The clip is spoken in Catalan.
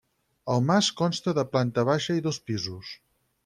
El mas consta de planta baixa i dos pisos.